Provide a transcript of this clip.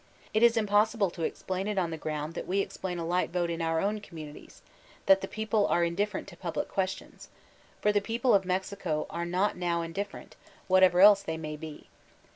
It is inqx>ssible to explain it on the ground that we explain a h^t vote in our own conwnnnities, that the people are indifferent to public questions; for the people of Mexico are not now mdif ^ fereni, whatever else they may be.